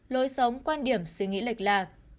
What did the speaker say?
lôi sống quan điểm suy nghĩ lệch lạc